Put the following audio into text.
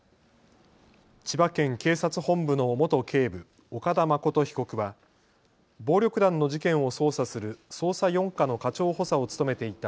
千葉県警察本部の元警部、岡田誠被告は暴力団の事件を捜査する捜査４課の課長補佐を務めていた